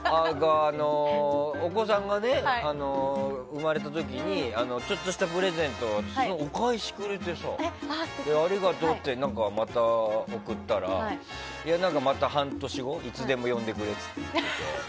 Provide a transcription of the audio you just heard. お子さんが生まれた時にちょっとしたプレゼントのお返しくれてありがとうってまた贈ったらまた半年後いつでも呼んでくれって言ってて。